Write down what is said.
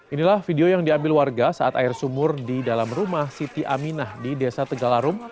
inilah video yang diambil warga saat air sumur di dalam rumah siti aminah di desa tegalarum